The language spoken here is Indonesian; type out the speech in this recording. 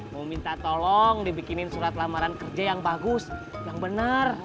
mau minta tolong dibikinin surat lamaran kerja yang bagus yang benar